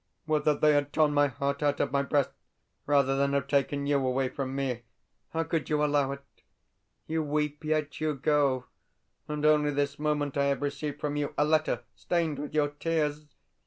Would that they had torn my heart out of my breast rather than have taken you away from me! How could you allow it? You weep, yet you go! And only this moment I have received from you a letter stained with your tears!